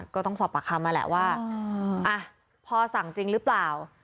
ก็ต้องสอบปากคำมาแหละว่าพอสั่งจริงหรือเปล่า